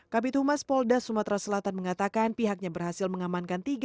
kabit humas polda sumatera selatan mengatakan pihaknya berhasil mengamankan